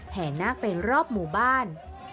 แหน้งนักเป็นรอบหมู่บ้าน